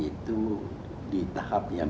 itu di tahap yang